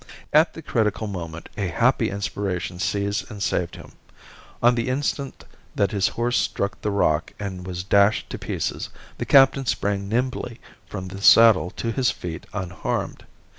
At the critical moment a happy inspiration seized and saved him. On the instant that his horse struck the rock and was dashed to pieces, the captain sprang nimbly from the saddle to his feet unharmed.